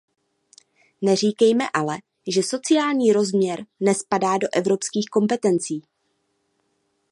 Neříkejme ale, že sociální rozměr nespadá do evropských kompetencí.